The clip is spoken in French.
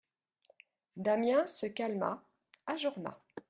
Damiens se calma, ajourna.